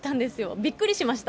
びっくりしました。